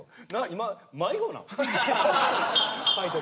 今迷子なん？